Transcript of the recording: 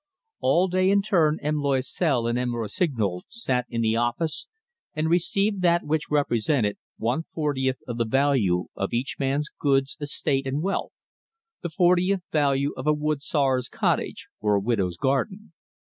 All day in turn M. Loisel and M. Rossignol sat in the office and received that which represented one fortieth of the value of each man's goods, estate, and wealth the fortieth value of a woodsawyer's cottage, or a widow's garden.